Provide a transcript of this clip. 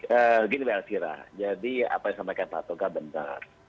begini pak elvira jadi apa yang saya sampaikan pak tonga benar